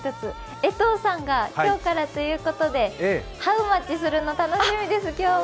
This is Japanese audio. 江藤さんが今日からということで、ハウマッチするの、楽しみです、今日も。